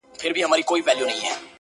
د نیکه او د بابا په کیسو پايي.!